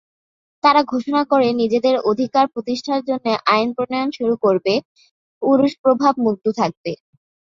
তারা ঘোষণা করে নিজেদের অধিকার প্রতিষ্ঠার জন্য আইন প্রণয়ন শুরু করবে, পুরুষ প্রভাব মুক্ত থাকবে।